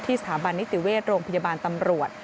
สถาบันนิติเวชโรงพยาบาลตำรวจ